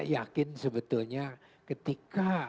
yakin sebetulnya ketika